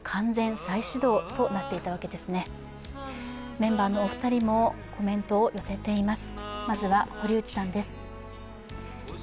メンバーのお二人もコメントを寄せています。